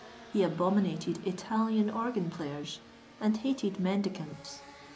He abominated Italian organ players, and hated mendicants.